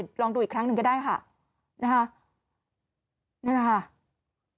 ลองดูอีกครั้งหนึ่งก็ได้ค่ะนะคะนั่นแหละค่ะ